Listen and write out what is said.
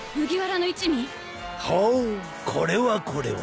ほうこれはこれは。